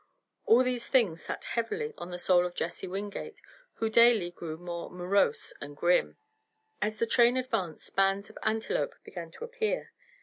All these things sat heavily on the soul of Jesse Wingate, who daily grew more morose and grim. As the train advanced bands of antelope began to appear.